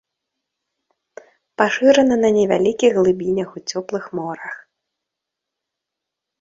Пашырана на невялікіх глыбінях у цёплых морах.